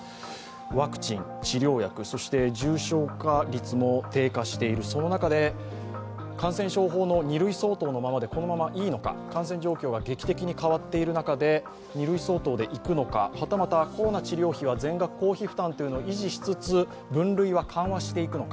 ワクチン、治療薬そして重症化率も低下しているその中で、感染症法の二類相当のままでこのままいいのか、感染状況が劇的に変わっている中で二類相当でいくのかはたまたコロナ治療薬は全額公費負担というのは継続しつつ分類は緩和していくのか。